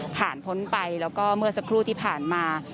พ้นไปแล้วก็เมื่อสักครู่ที่ผ่านมา